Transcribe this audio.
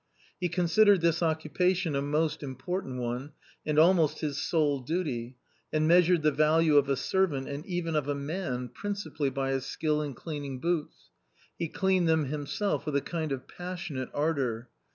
He considered this occupation a most important one, and almost his sole ' duty, and measured the value of a servant and even of a man principally by his skill in cleaning boots ; he cleaned them himself with a kind of passionate ardour.